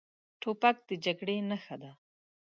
توپک د جګړې نښه ده.